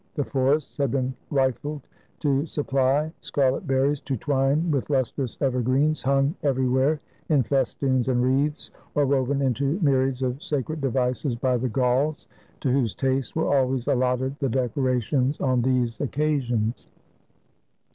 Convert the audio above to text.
The forests had been rifled to supply scarlet berries to twine with lustrous evergreens, hung everywhere in festoons and wreaths, or woven into myriads of sacred devices by the Gauls, to whose taste were always allotted the decorations on these occasions.